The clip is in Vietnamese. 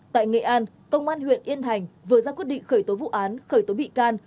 tại nghệ an công an huyện yên thành vừa ra quyết định khởi tố vụ án khởi tố bị can